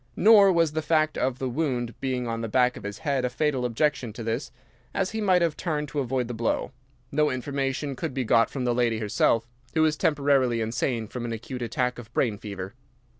Nor was the fact of the wound being on the back of his head a fatal objection to this, as he might have turned to avoid the blow. No information could be got from the lady herself, who was temporarily insane from an acute attack of brain fever.